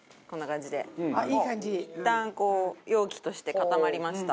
いったんこう容器として固まりました。